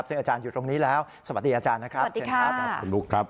เพราะอาจารย์อยู่ตรงนี้แล้วสวัสดีอาจารย์นะครับ